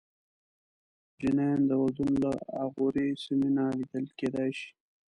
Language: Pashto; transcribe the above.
جنین د اردن له اغاورې سیمې نه لیدل کېدای شي.